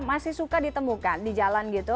masih suka ditemukan di jalan gitu